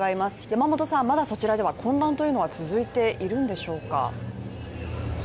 山本さん、まだそちらでは混乱が続いているのでしょうか？